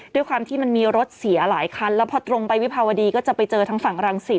ด้วยความที่มันมีรถเสียหลายคันแล้วพอตรงไปวิภาวดีก็จะไปเจอทางฝั่งรังสิต